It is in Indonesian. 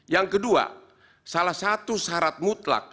yang kedua salah satu syarat mutlak